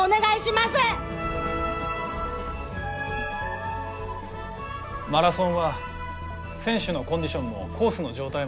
マラソンは選手のコンディションもコースの状態も天候次第で大きく変わる。